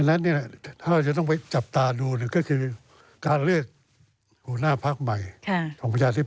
แต่เขายืนกันแล้วนะว่ายังไงเขาก็มาแน่นะคุณอภิษฎิ